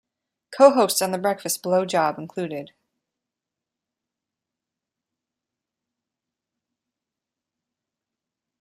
Co-hosts on the breakfast blow job included.